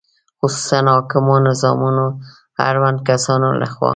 خصوصاً حاکمو نظامونو اړوندو کسانو له خوا